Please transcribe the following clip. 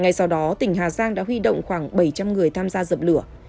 ngay sau đó tỉnh hà giang đã huy động khoảng bảy trăm linh người tham gia dập lửa